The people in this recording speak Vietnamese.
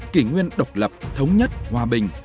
kỷ nguyên độc lập thống nhất hòa bình